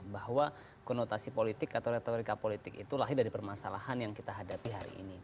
bahwa konotasi politik atau retorika politik itu lahir dari permasalahan yang kita hadapi hari ini